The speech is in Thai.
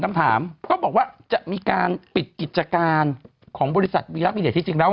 คำถามก็บอกว่าจะมีการปิดกิจการของบริษัทวีรักมีเดชที่จริงแล้ว